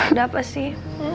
ada apa sih